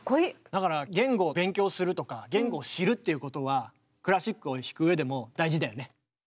だから言語を勉強するとか言語を知るっていうことはクラシックを弾く上でも大事だよね。